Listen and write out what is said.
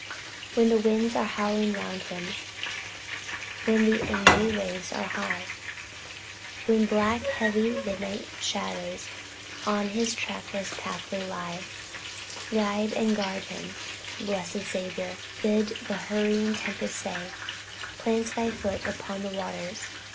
When the winds are howling round him, When the angry waves are high, When black, heavy, midnight shadows, On his trackless pathway lie, Guide and guard him, blessed Saviour, Bid the hurrying tempests stay; Plant thy foot upon the waters.